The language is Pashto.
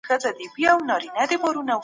که ژبه وساتل سي، شخړې کمېږي.